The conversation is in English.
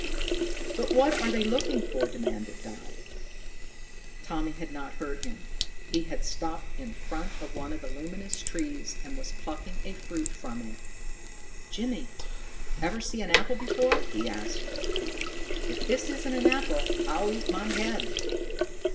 "But what are they looking for?" demanded Dodd. Tommy had not heard him. He had stopped in front of one of the luminous trees and was plucking a fruit from it. "Jimmy, ever see an apple before?" he asked. "If this isn't an apple, I'll eat my head."